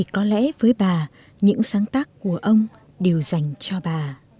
có lẽ với bà những sáng tác của ông đều dành cho bà